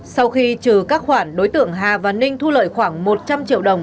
sau khi trừ các khoản đối tượng hà văn ninh thu lợi khoảng một trăm linh triệu đồng